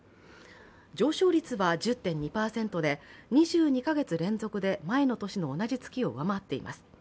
上昇率は１０．２％で２２か月連続で前の年の同じ月を上回っています。